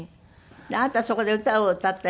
あなたそこで歌を歌ったりした事。